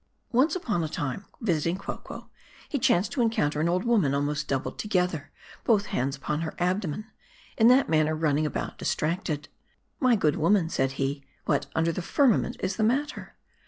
Once upon a time, , visiting Quelquo, he chanced to encounter an old woman almost doubled together, both hands upon her abdomen ; in that manner running about distracted. " My good woman," said he, "what under the firmament is the matter